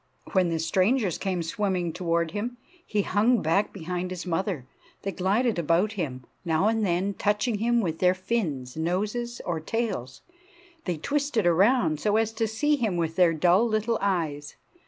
When the strangers came swimming toward him he hung back behind his mother. They glided about him, now and then touching him with their fins, noses, or tails. They twisted around so as to see him with their dull little eyes.